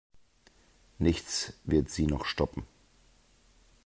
Nichts wird sie noch stoppen.